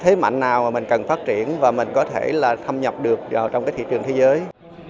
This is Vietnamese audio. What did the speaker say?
thế mạnh nào mà mình cần phát triển và mình có thể là thâm nhập được vào trong cái thị trường thế giới